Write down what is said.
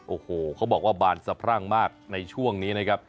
โอ้โหเขาบอกว่าบานสะพรั่งมากในช่วงนี้นะครับ